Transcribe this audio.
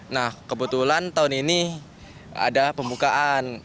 nah kebetulan tahun ini ada pembukaan